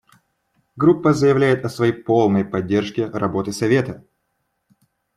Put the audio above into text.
Группа заявляет о своей полной поддержке работы Совета.